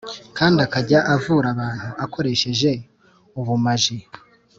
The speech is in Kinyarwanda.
kandi akajya avura abantu akoresheje ubumaji